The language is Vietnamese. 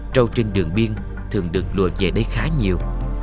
trâu trên đường biên thường được luộc về đây khá nhiều